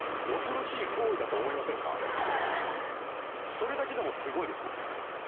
それだけでもすごいですよね。